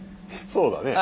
そうだね。